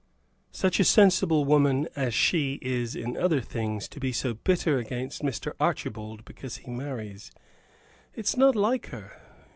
"Such a sensible woman as she is in other things, to be so bitter against Mr. Archibald because he marries! It's not like her.